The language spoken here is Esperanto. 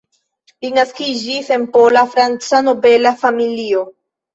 Li naskiĝis en pola-franca nobela familio.